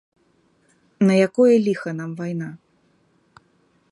На якое ліха нам вайна?